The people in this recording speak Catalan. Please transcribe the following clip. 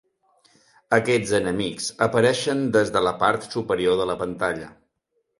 Aquests enemics apareixen des de la part superior de la pantalla.